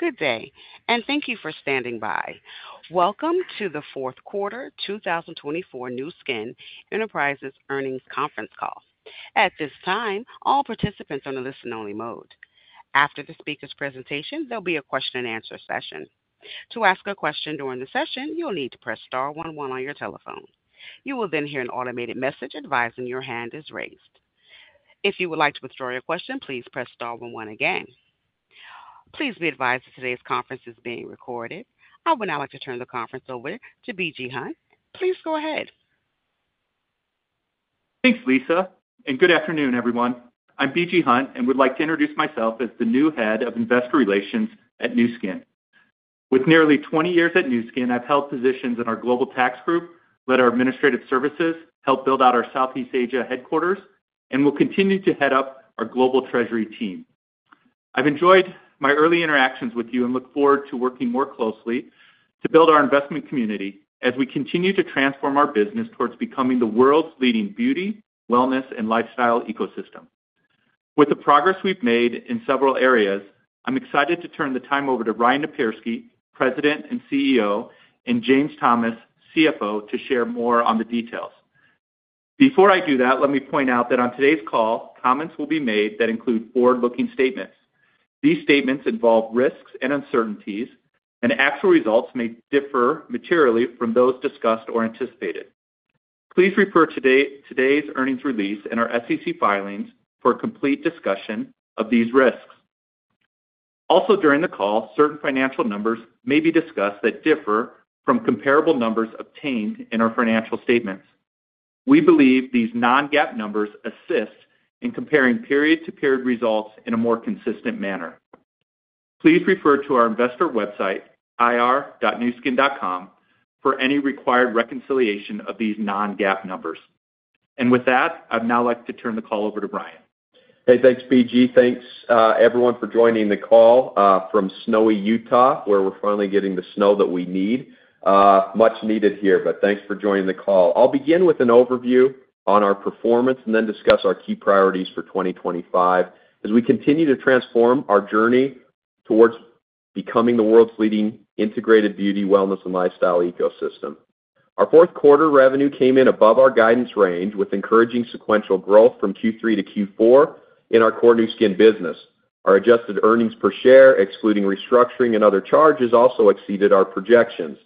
Good day, and thank you for standing by. Welcome to the Q4 2024 Nu Skin Enterprises earnings conference call. At this time, all participants are in a listen-only mode. After the speaker's presentation, there'll be a question-and-answer session. To ask a question during the session, you'll need to press star 11 on your telephone. You will then hear an automated message advising your hand is raised. If you would like to withdraw your question, please press star 11 again. Please be advised that today's conference is being recorded. I would now like to turn the conference over to B.G. Hunt. Please go ahead. Thanks, Lisa. Good afternoon, everyone. I'm B.G. Hunt, and would like to introduce myself as the new head of investor relations at Nu Skin. With nearly 20 years at Nu Skin, I've held positions in our global tax group, led our administrative services, helped build out our Southeast Asia headquarters, and will continue to head up our global treasury team. I've enjoyed my early interactions with you and look forward to working more closely to build our investment community as we continue to transform our business towards becoming the world's leading beauty, wellness, and lifestyle ecosystem. With the progress we've made in several areas, I'm excited to turn the time over to Ryan Napierski, President and CEO, and James Thomas, CFO, to share more on the details. Before I do that, let me point out that on today's call, comments will be made that include forward-looking statements. These statements involve risks and uncertainties, and actual results may differ materially from those discussed or anticipated. Please refer to today's earnings release and our SEC filings for a complete discussion of these risks. Also, during the call, certain financial numbers may be discussed that differ from comparable numbers obtained in our financial statements. We believe these non-GAAP numbers assist in comparing period-to-period results in a more consistent manner. Please refer to our investor website, ir.nuskin.com, for any required reconciliation of these non-GAAP numbers. And with that, I'd now like to turn the call over to Ryan. Hey, thanks, B.G. Thanks, everyone, for joining the call from snowy Utah, where we're finally getting the snow that we need. Much needed here, but thanks for joining the call. I'll begin with an overview on our performance and then discuss our key priorities for 2025 as we continue to transform our journey towards becoming the world's leading integrated beauty, wellness, and lifestyle ecosystem. Our Q4 revenue came in above our guidance range, with encouraging sequential growth from Q3 to Q4 in our core Nu Skin business. Our adjusted earnings per share, excluding restructuring and other charges, also exceeded our projections.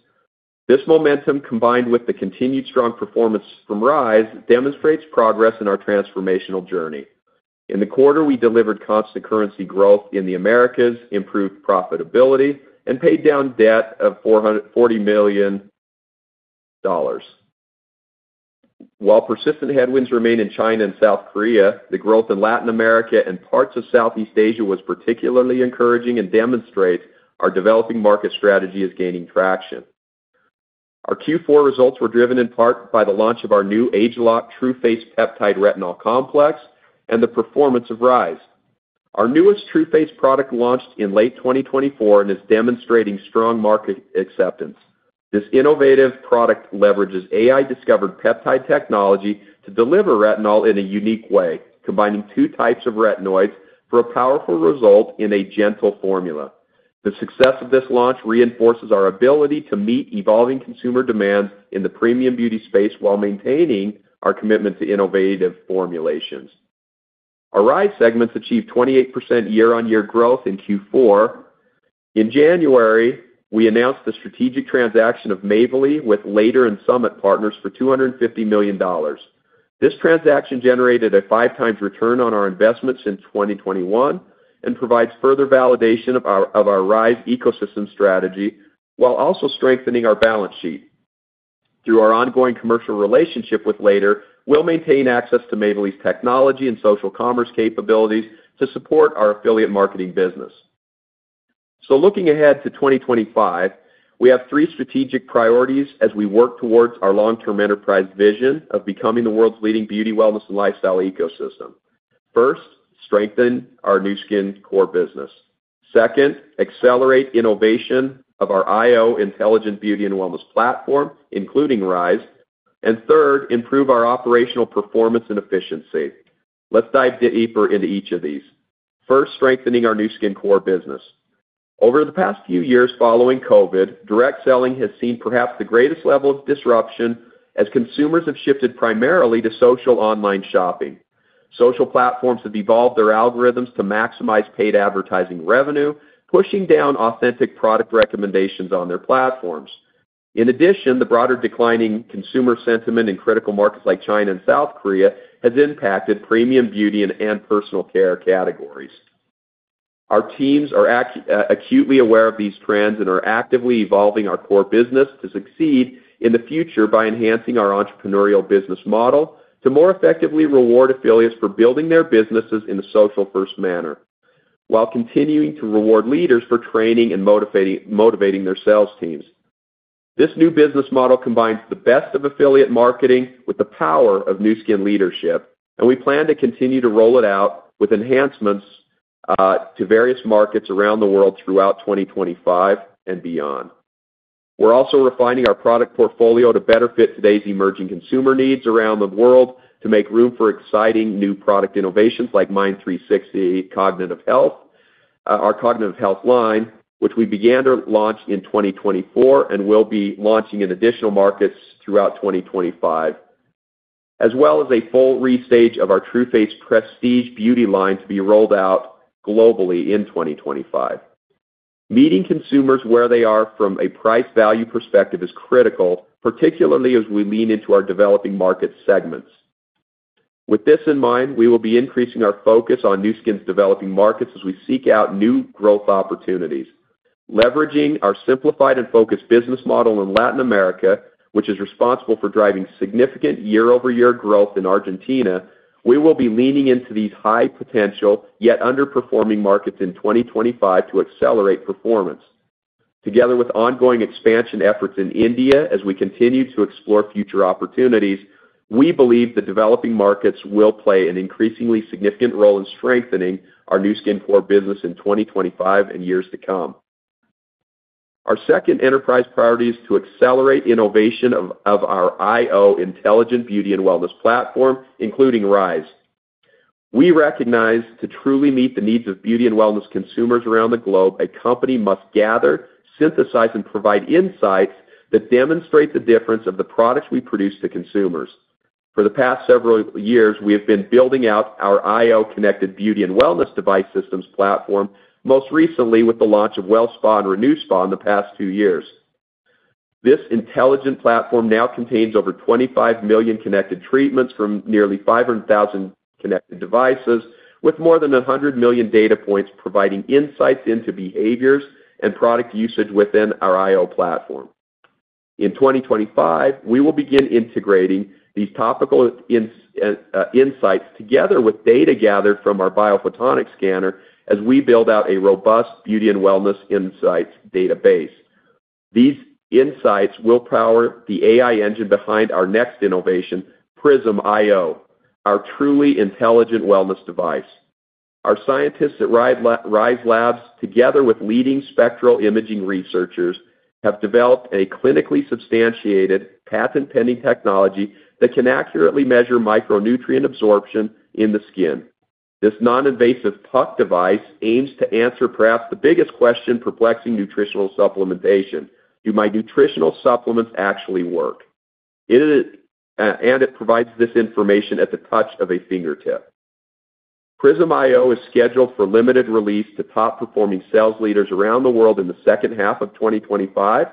This momentum, combined with the continued strong performance from Rhyz, demonstrates progress in our transformational journey. In the quarter, we delivered constant currency growth in the Americas, improved profitability, and paid down debt of $40 million. While persistent headwinds remain in China and South Korea, the growth in Latin America and parts of Southeast Asia was particularly encouraging and demonstrates our developing market strategy is gaining traction. Our Q4 results were driven in part by the launch of our new ageLOC Tru Face Peptide Retinol Complex and the performance of Rhyz. Our newest Tru Face product launched in late 2024 and is demonstrating strong market acceptance. This innovative product leverages AI-discovered peptide technology to deliver retinol in a unique way, combining two types of retinoids for a powerful result in a gentle formula. The success of this launch reinforces our ability to meet evolving consumer demands in the premium beauty space while maintaining our commitment to innovative formulations. Our Rhyz segments achieved 28% year-on-year growth in Q4. In January, we announced the strategic transaction of Mavely with Later and Summit Partners for $250 million. This transaction generated a five-times return on our investments in 2021 and provides further validation of our Rhyz ecosystem strategy while also strengthening our balance sheet. Through our ongoing commercial relationship with Later, we'll maintain access to Mavely's technology and social commerce capabilities to support our affiliate marketing business. So looking ahead to 2025, we have three strategic priorities as we work towards our long-term enterprise vision of becoming the world's leading beauty, wellness, and lifestyle ecosystem. First, strengthen our Nu Skin core business. Second, accelerate innovation of our iO intelligent beauty and wellness platform, including Rhyz. And third, improve our operational performance and efficiency. Let's dive deeper into each of these. First, strengthening our Nu Skin core business. Over the past few years following COVID, direct selling has seen perhaps the greatest level of disruption as consumers have shifted primarily to social online shopping. Social platforms have evolved their algorithms to maximize paid advertising revenue, pushing down authentic product recommendations on their platforms. In addition, the broader declining consumer sentiment in critical markets like China and South Korea has impacted premium beauty and personal care categories. Our teams are acutely aware of these trends and are actively evolving our core business to succeed in the future by enhancing our entrepreneurial business model to more effectively reward affiliates for building their businesses in a social-first manner, while continuing to reward leaders for training and motivating their sales teams. This new business model combines the best of affiliate marketing with the power of Nu Skin leadership, and we plan to continue to roll it out with enhancements to various markets around the world throughout 2025 and beyond. We're also refining our product portfolio to better fit today's emerging consumer needs around the world to make room for exciting new product innovations like MYND360 cognitive health, our cognitive health line, which we began to launch in 2024 and will be launching in additional markets throughout 2025, as well as a full restage of our Tru Face prestige beauty line to be rolled out globally in 2025. Meeting consumers where they are from a price-value perspective is critical, particularly as we lean into our developing market segments. With this in mind, we will be increasing our focus on Nu Skin's developing markets as we seek out new growth opportunities. Leveraging our simplified and focused business model in Latin America, which is responsible for driving significant year-over-year growth in Argentina, we will be leaning into these high-potential yet underperforming markets in 2025 to accelerate performance. Together with ongoing expansion efforts in India, as we continue to explore future opportunities, we believe the developing markets will play an increasingly significant role in strengthening our Nu Skin core business in 2025 and years to come. Our second enterprise priority is to accelerate innovation of our iO intelligent beauty and wellness platform, including Rhyz. We recognize that to truly meet the needs of beauty and wellness consumers around the globe, a company must gather, synthesize, and provide insights that demonstrate the difference of the products we produce to consumers. For the past several years, we have been building out our iO connected beauty and wellness device systems platform, most recently with the launch of WellSpa and RenuSpa in the past two years. This intelligent platform now contains over 25 million connected treatments from nearly 500,000 connected devices, with more than 100 million data points providing insights into behaviors and product usage within our iO platform. In 2025, we will begin integrating these topical insights together with data gathered from our BioPhotonic Scanner as we build out a robust beauty and wellness insights database. These insights will power the AI engine behind our next innovation, Prism iO, our truly intelligent wellness device. Our scientists at Rhyz Labs, together with leading spectral imaging researchers, have developed a clinically substantiated patent-pending technology that can accurately measure micronutrient absorption in the skin. This non-invasive puck device aims to answer perhaps the biggest question perplexing nutritional supplementation: do my nutritional supplements actually work, and it provides this information at the touch of a fingertip. Prism iO is scheduled for limited release to top-performing sales leaders around the world in the second half of 2025,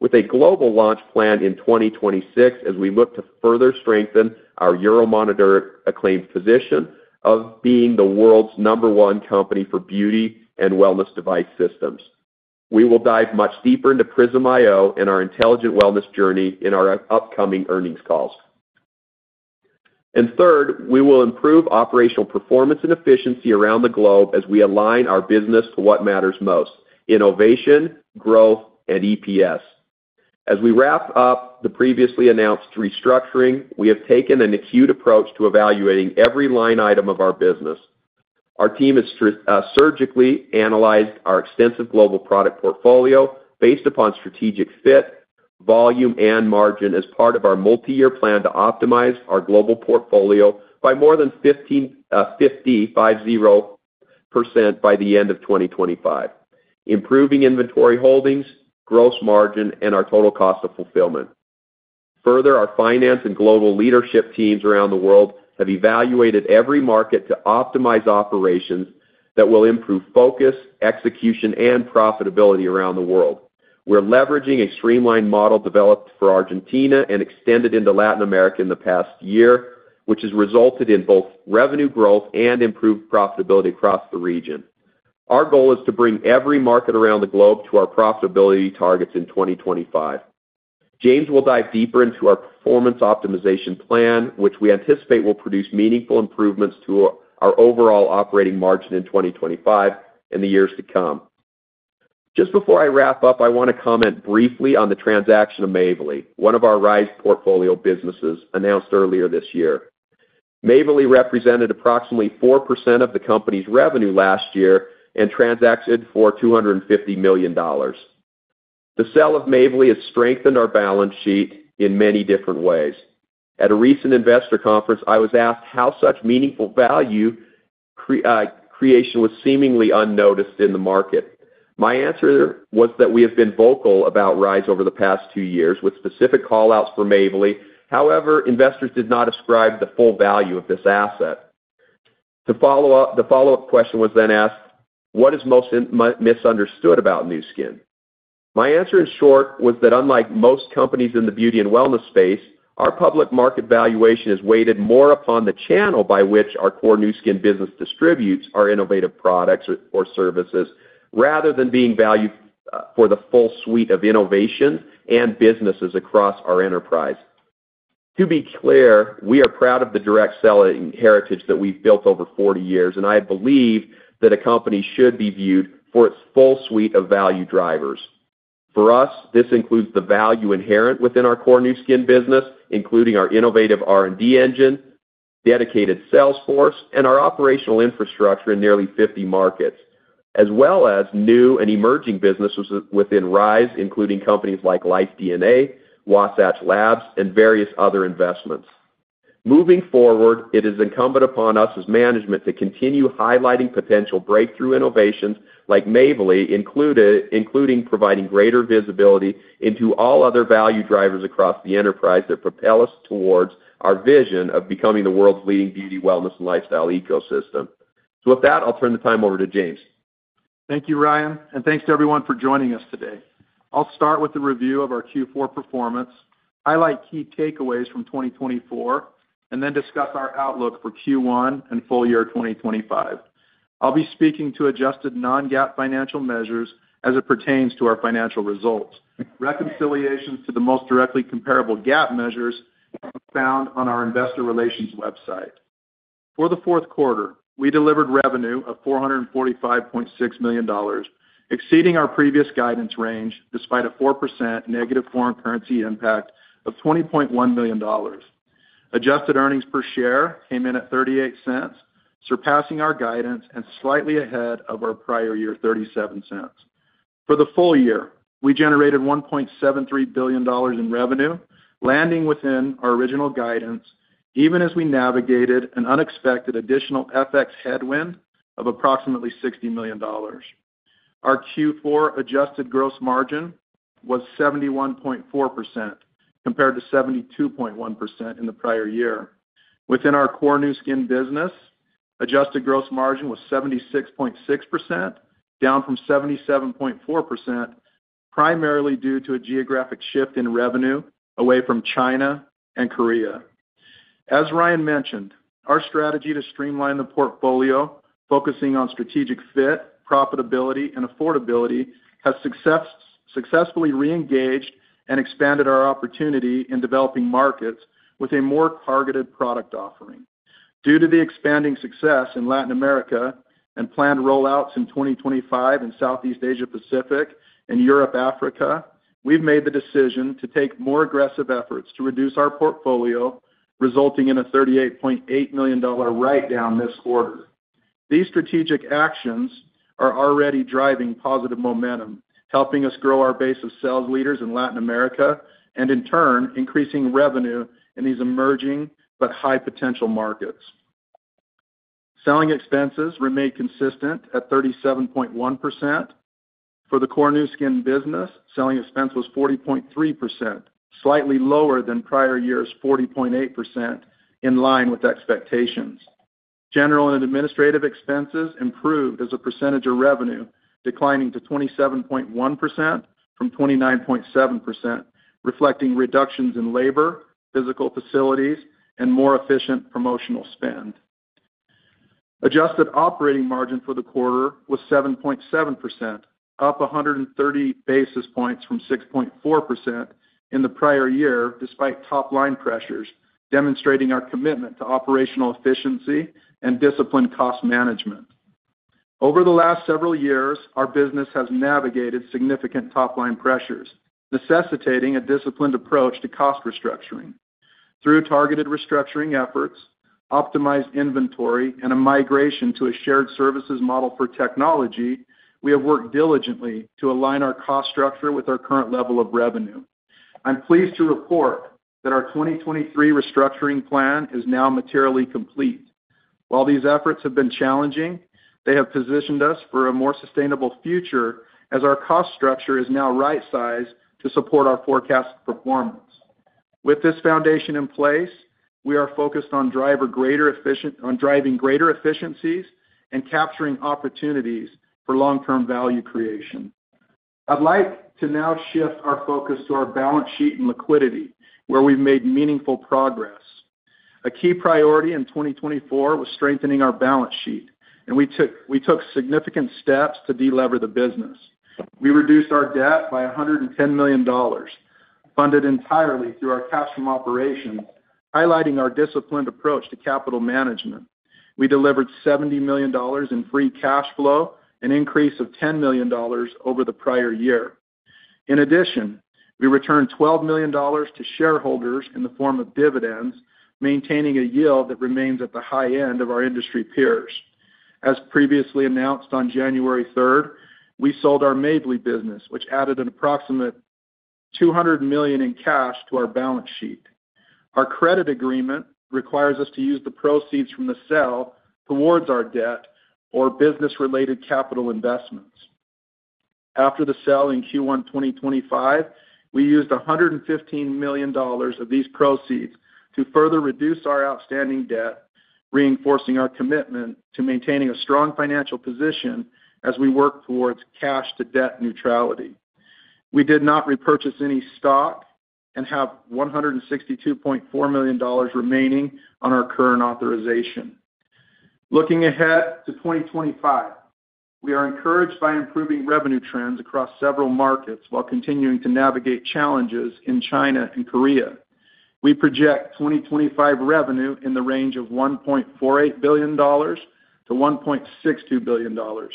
with a global launch plan in 2026 as we look to further strengthen our Euromonitor-acclaimed position of being the world's number one company for beauty and wellness device systems. We will dive much deeper into Prism iO and our intelligent wellness journey in our upcoming earnings calls. And third, we will improve operational performance and efficiency around the globe as we align our business to what matters most: innovation, growth, and EPS. As we wrap up the previously announced restructuring, we have taken an acute approach to evaluating every line item of our business. Our team has surgically analyzed our extensive global product portfolio based upon strategic fit, volume, and margin as part of our multi-year plan to optimize our global portfolio by more than 50% by the end of 2025, improving inventory holdings, gross margin, and our total cost of fulfillment. Further, our finance and global leadership teams around the world have evaluated every market to optimize operations that will improve focus, execution, and profitability around the world. We're leveraging a streamlined model developed for Argentina and extended into Latin America in the past year, which has resulted in both revenue growth and improved profitability across the region. Our goal is to bring every market around the globe to our profitability targets in 2025. James will dive deeper into our performance optimization plan, which we anticipate will produce meaningful improvements to our overall operating margin in 2025 and the years to come. Just before I wrap up, I want to comment briefly on the transaction of Mavely, one of our Rhyz portfolio businesses announced earlier this year. Mavely represented approximately 4% of the company's revenue last year and transacted for $250 million. The sale of Mavely has strengthened our balance sheet in many different ways. At a recent investor conference, I was asked how such meaningful value creation was seemingly unnoticed in the market. My answer was that we have been vocal about Rhyz over the past two years with specific callouts for Mavely. However, investors did not ascribe the full value of this asset. The follow-up question was then asked, "What is most misunderstood about Nu Skin?" My answer, in short, was that unlike most companies in the beauty and wellness space, our public market valuation is weighted more upon the channel by which our core Nu Skin business distributes our innovative products or services, rather than being valued for the full suite of innovations and businesses across our enterprise. To be clear, we are proud of the direct selling heritage that we've built over 40 years, and I believe that a company should be viewed for its full suite of value drivers. For us, this includes the value inherent within our core Nu Skin business, including our innovative R&D engine, dedicated sales force, and our operational infrastructure in nearly 50 markets, as well as new and emerging businesses within Rhyz, including companies like LifeDNA, Wasatch Labs, and various other investments. Moving forward, it is incumbent upon us as management to continue highlighting potential breakthrough innovations like Mavely, including providing greater visibility into all other value drivers across the enterprise that propel us towards our vision of becoming the world's leading beauty, wellness, and lifestyle ecosystem. So with that, I'll turn the time over to James. Thank you, Ryan, and thanks to everyone for joining us today. I'll start with a review of our Q4 performance, highlight key takeaways from 2024, and then discuss our outlook for Q1 and full year 2025. I'll be speaking to adjusted non-GAAP financial measures as it pertains to our financial results. Reconciliations to the most directly comparable GAAP measures are found on our investor relations website. For the Q4, we delivered revenue of $445.6 million, exceeding our previous guidance range despite a 4% negative foreign currency impact of $20.1 million. Adjusted earnings per share came in at $0.38, surpassing our guidance and slightly ahead of our prior year, $0.37. For the full year, we generated $1.73 billion in revenue, landing within our original guidance, even as we navigated an unexpected additional FX headwind of approximately $60 million. Our Q4 adjusted gross margin was 71.4% compared to 72.1% in the prior year. Within our core Nu Skin business, adjusted gross margin was 76.6%, down from 77.4%, primarily due to a geographic shift in revenue away from China and Korea. As Ryan mentioned, our strategy to streamline the portfolio, focusing on strategic fit, profitability, and affordability, has successfully re-engaged and expanded our opportunity in developing markets with a more targeted product offering. Due to the expanding success in Latin America and planned rollouts in 2025 in Southeast Asia-Pacific and Europe-Africa, we've made the decision to take more aggressive efforts to reduce our portfolio, resulting in a $38.8 million write-down this quarter. These strategic actions are already driving positive momentum, helping us grow our base of sales leaders in Latin America and, in turn, increasing revenue in these emerging but high-potential markets. Selling expenses remained consistent at 37.1%. For the core Nu Skin business, selling expense was 40.3%, slightly lower than prior year's 40.8%, in line with expectations. General and administrative expenses improved as a percentage of revenue, declining to 27.1% from 29.7%, reflecting reductions in labor, physical facilities, and more efficient promotional spend. Adjusted operating margin for the quarter was 7.7%, up 130 basis points from 6.4% in the prior year, despite top-line pressures, demonstrating our commitment to operational efficiency and disciplined cost management. Over the last several years, our business has navigated significant top-line pressures, necessitating a disciplined approach to cost restructuring. Through targeted restructuring efforts, optimized inventory, and a migration to a shared services model for technology, we have worked diligently to align our cost structure with our current level of revenue. I'm pleased to report that our 2023 restructuring plan is now materially complete. While these efforts have been challenging, they have positioned us for a more sustainable future as our cost structure is now right-sized to support our forecast performance. With this foundation in place, we are focused on driving greater efficiencies and capturing opportunities for long-term value creation. I'd like to now shift our focus to our balance sheet and liquidity, where we've made meaningful progress. A key priority in 2024 was strengthening our balance sheet, and we took significant steps to delever the business. We reduced our debt by $110 million, funded entirely through our cash from operations, highlighting our disciplined approach to capital management. We delivered $70 million in free cash flow, an increase of $10 million over the prior year. In addition, we returned $12 million to shareholders in the form of dividends, maintaining a yield that remains at the high end of our industry peers. As previously announced on January 3rd, we sold our Mavely business, which added an approximate $200 million in cash to our balance sheet. Our credit agreement requires us to use the proceeds from the sale towards our debt or business-related capital investments. After the sale in Q1 2025, we used $115 million of these proceeds to further reduce our outstanding debt, reinforcing our commitment to maintaining a strong financial position as we work towards cash-to-debt neutrality. We did not repurchase any stock and have $162.4 million remaining on our current authorization. Looking ahead to 2025, we are encouraged by improving revenue trends across several markets while continuing to navigate challenges in China and Korea. We project 2025 revenue in the range of $1.48 billion-$1.62 billion,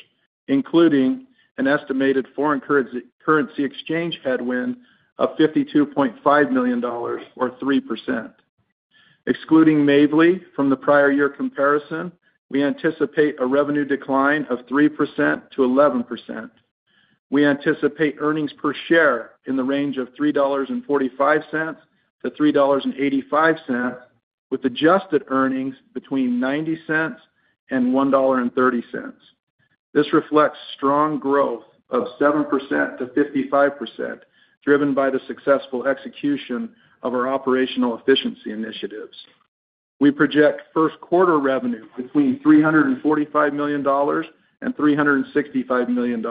including an estimated foreign currency exchange headwind of $52.5 million, or 3%. Excluding Mavely from the prior year comparison, we anticipate a revenue decline of 3%-11%. We anticipate earnings per share in the range of $3.45-$3.85, with adjusted earnings between $0.90 and $1.30. This reflects strong growth of 7%-55%, driven by the successful execution of our operational efficiency initiatives. We project first quarter revenue between $345 million and $365 million,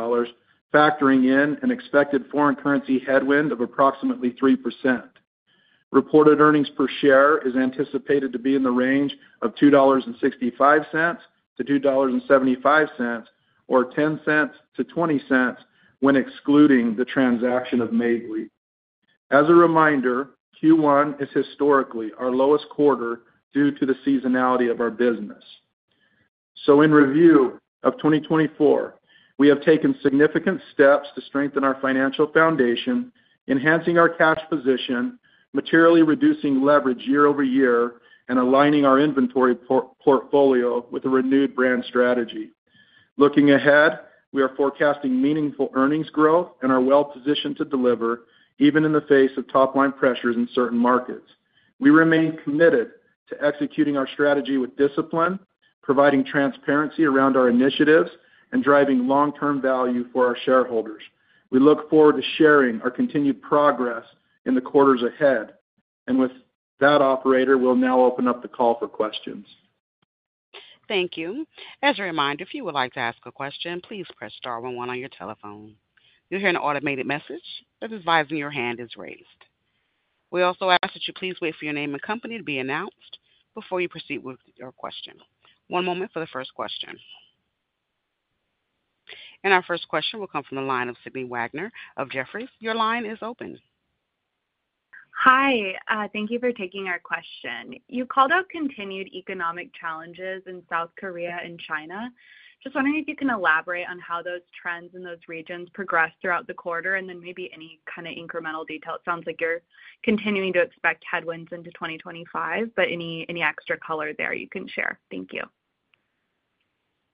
factoring in an expected foreign currency headwind of approximately 3%. Reported earnings per share is anticipated to be in the range of $2.65-$2.75, or $0.10-$0.20 when excluding the transaction of Mavely. As a reminder, Q1 is historically our lowest quarter due to the seasonality of our business. So, in review of 2024, we have taken significant steps to strengthen our financial foundation, enhancing our cash position, materially reducing leverage year-over-year, and aligning our inventory portfolio with a renewed brand strategy. Looking ahead, we are forecasting meaningful earnings growth and are well-positioned to deliver, even in the face of top-line pressures in certain markets. We remain committed to executing our strategy with discipline, providing transparency around our initiatives, and driving long-term value for our shareholders. We look forward to sharing our continued progress in the quarters ahead, and with that, Operator, we'll now open up the call for questions. Thank you. As a reminder, if you would like to ask a question, please press star 11 on your telephone. You'll hear an automated message that is advising your hand is raised. We also ask that you please wait for your name and company to be announced before you proceed with your question. One moment for the first question, and our first question will come from the line of Sydney Wagner of Jefferies. Your line is open. Hi. Thank you for taking our question. You called out continued economic challenges in South Korea and China. Just wondering if you can elaborate on how those trends in those regions progressed throughout the quarter and then maybe any kind of incremental detail. It sounds like you're continuing to expect headwinds into 2025, but any extra color there you can share. Thank you.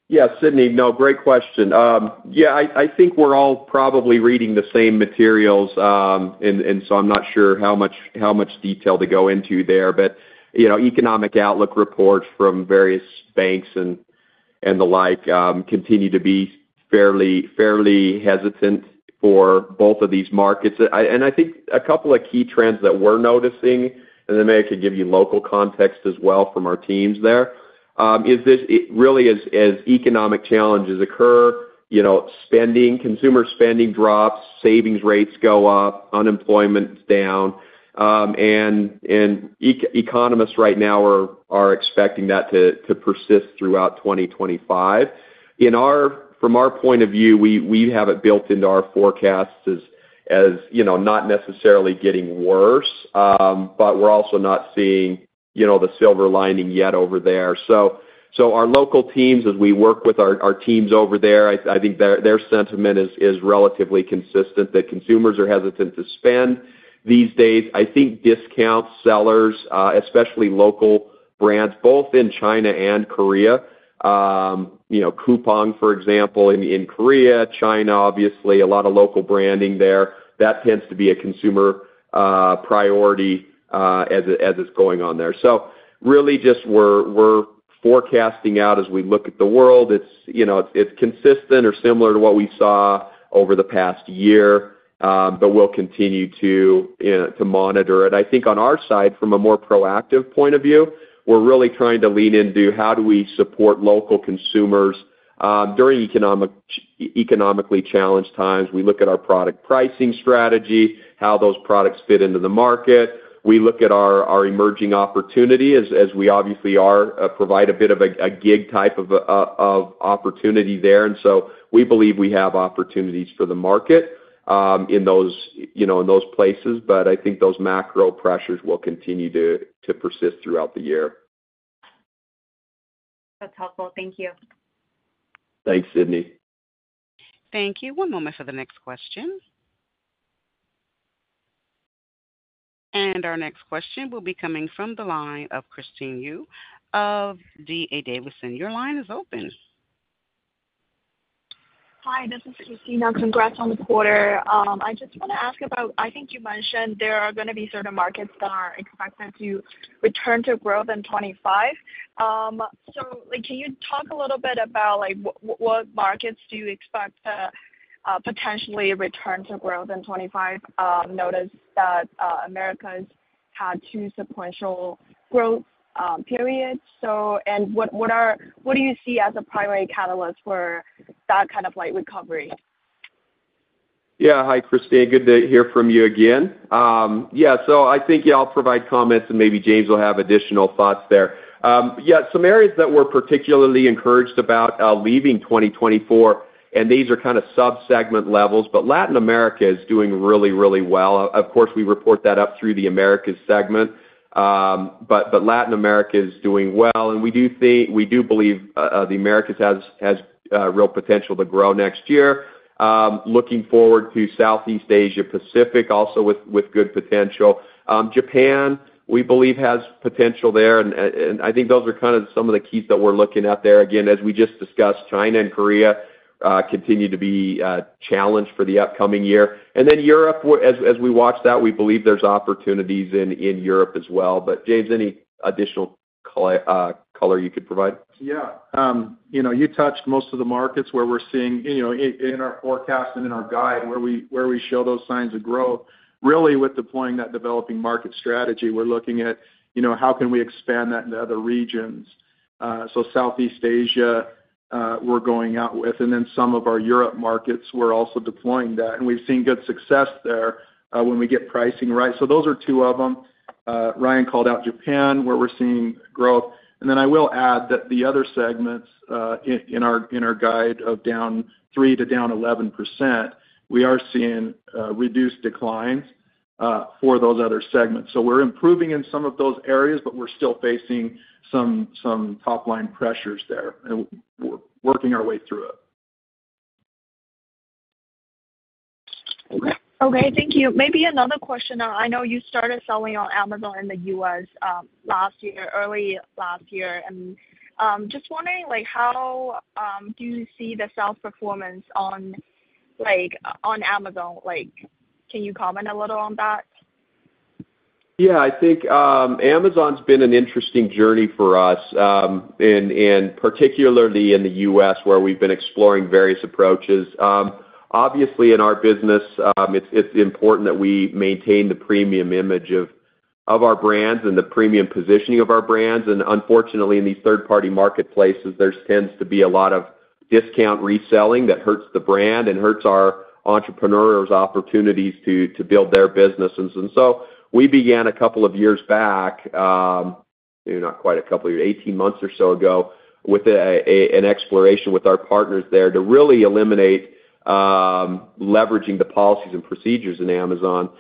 Yeah, Sydney, no, great question. Yeah, I think we're all probably reading the same materials, and so I'm not sure how much detail to go into there. But economic outlook reports from various banks and the like continue to be fairly hesitant for both of these markets. And I think a couple of key trends that we're noticing, and then maybe I can give you local context as well from our teams there, is really as economic challenges occur, consumer spending drops, savings rates go up, unemployment's down, and economists right now are expecting that to persist throughout 2025. From our point of view, we have it built into our forecasts as not necessarily getting worse, but we're also not seeing the silver lining yet over there. So our local teams, as we work with our teams over there, I think their sentiment is relatively consistent that consumers are hesitant to spend these days. I think discounts sell, especially local brands, both in China and Korea. Coupang, for example, in Korea, China, obviously, a lot of local branding there, that tends to be a consumer priority as it's going on there. So really just we're forecasting out as we look at the world. It's consistent or similar to what we saw over the past year, but we'll continue to monitor it. I think on our side, from a more proactive point of view, we're really trying to lean into how do we support local consumers during economically challenged times. We look at our product pricing strategy, how those products fit into the market. We look at our emerging opportunity as we obviously provide a bit of a gig type of opportunity there. And so we believe we have opportunities for the market in those places, but I think those macro pressures will continue to persist throughout the year. That's helpful. Thank you. Thanks, Sydney. Thank you. One moment for the next question. And our next question will be coming from the line of Christina Yu of D.A. Davidson. Your line is open. Hi, this is Christina. Congrats on the quarter. I just want to ask about, I think you mentioned there are going to be certain markets that are expected to return to growth in 2025. So can you talk a little bit about what markets do you expect to potentially return to growth in 2025? Notice that Americas had two sequential growth periods. What do you see as a primary catalyst for that kind of recovery? Yeah. Hi, Christina. Good to hear from you again. Yeah. So I think I'll provide comments and maybe James will have additional thoughts there. Yeah. Some areas that we're particularly encouraged about, leaving 2024, and these are kind of subsegment levels, but Latin America is doing really, really well. Of course, we report that up through the Americas segment, but Latin America is doing well. And we do believe the Americas has real potential to grow next year. Looking forward to Southeast Asia-Pacific, also with good potential. Japan, we believe, has potential there. And I think those are kind of some of the keys that we're looking at there. Again, as we just discussed, China and Korea continue to be challenged for the upcoming year. And then Europe, as we watch that, we believe there's opportunities in Europe as well. But James, any additional color you could provide? Yeah. You touched most of the markets where we're seeing in our forecast and in our guide where we show those signs of growth. Really, with deploying that developing market strategy, we're looking at how can we expand that into other regions. So Southeast Asia, we're going out with. And then some of our Europe markets, we're also deploying that. And we've seen good success there when we get pricing right. So those are two of them. Ryan called out Japan, where we're seeing growth. And then I will add that the other segments in our guide of down 3% to down 11%, we are seeing reduced declines for those other segments. So we're improving in some of those areas, but we're still facing some top-line pressures there. And we're working our way through it. Okay. Thank you. Maybe another question. I know you started selling on Amazon in the U.S. early last year. And just wondering, how do you see the sales performance on Amazon? Can you comment a little on that? Yeah. I think Amazon's been an interesting journey for us, and particularly in the U.S., where we've been exploring various approaches. Obviously, in our business, it's important that we maintain the premium image of our brands and the premium positioning of our brands. And unfortunately, in these third-party marketplaces, there tends to be a lot of discount reselling that hurts the brand and hurts our entrepreneurs' opportunities to build their businesses. And so we began a couple of years back, not quite a couple of years, 18 months or so ago, with an exploration with our partners there to really eliminate leveraging the policies and procedures in Amazon,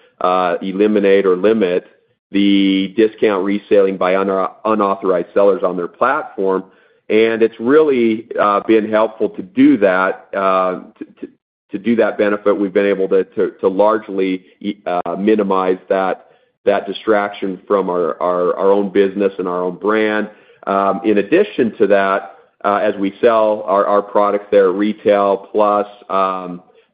eliminate or limit the discount reselling by unauthorized sellers on their platform. And it's really been helpful to do that, to do that benefit. We've been able to largely minimize that distraction from our own business and our own brand. In addition to that, as we sell our products there, retail plus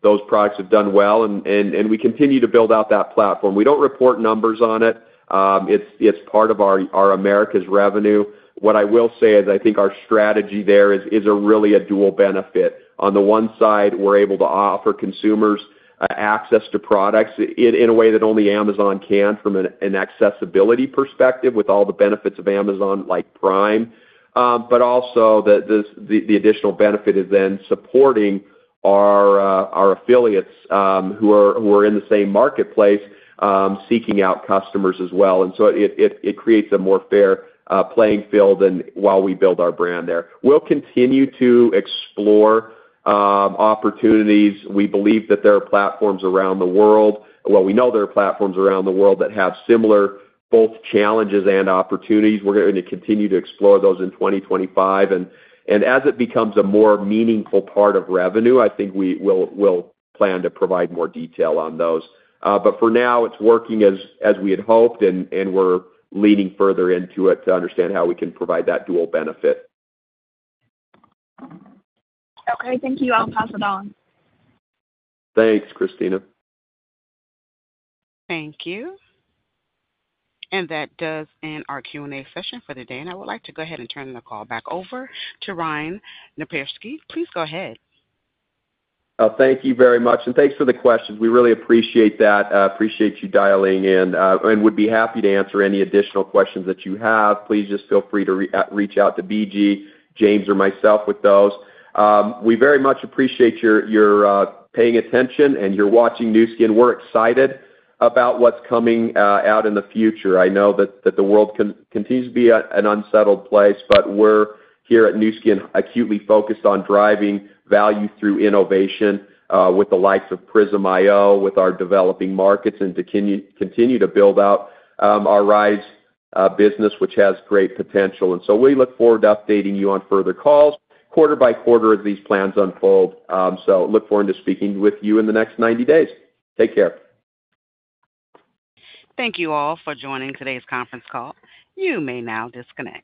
those products have done well, and we continue to build out that platform. We don't report numbers on it. It's part of our Americas revenue. What I will say is I think our strategy there is really a dual benefit. On the one side, we're able to offer consumers access to products in a way that only Amazon can from an accessibility perspective with all the benefits of Amazon like Prime. But also the additional benefit is then supporting our affiliates who are in the same marketplace seeking out customers as well. And so it creates a more fair playing field while we build our brand there. We'll continue to explore opportunities. We believe that there are platforms around the world. Well, we know there are platforms around the world that have similar both challenges and opportunities. We're going to continue to explore those in 2025. And as it becomes a more meaningful part of revenue, I think we'll plan to provide more detail on those. But for now, it's working as we had hoped, and we're leaning further into it to understand how we can provide that dual benefit. Okay. Thank you. I'll pass it on. Thanks, Christina. Thank you. And that does end our Q&A session for the day. And I would like to go ahead and turn the call back over to Ryan Napierski. Please go ahead. Thank you very much. And thanks for the questions. We really appreciate that. Appreciate you dialing in. And we'd be happy to answer any additional questions that you have. Please just feel free to reach out to B.G., James, or myself with those. We very much appreciate your paying attention and your watching Nu Skin. We're excited about what's coming out in the future. I know that the world continues to be an unsettled place, but we're here at Nu Skin acutely focused on driving value through innovation with the likes of Prism iO, with our developing markets, and to continue to build out our Rhyz business, which has great potential. And so we look forward to updating you on further calls quarter by quarter as these plans unfold. So look forward to speaking with you in the next 90 days. Take care. Thank you all for joining today's conference call. You may now disconnect.